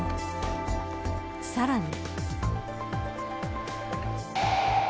さらに。